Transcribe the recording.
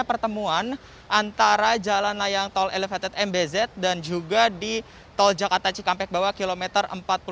pertemuan antara jalan layang tol elevated mbz dan juga di tol jakarta cikampek bahwa kilometer empat puluh lima